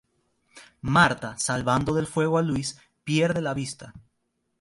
Marta, salvando del fuego a Luis, pierde la vista.